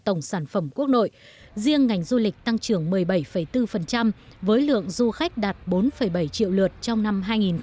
tổng sản phẩm quốc nội riêng ngành du lịch tăng trưởng một mươi bảy bốn với lượng du khách đạt bốn bảy triệu lượt trong năm hai nghìn một mươi tám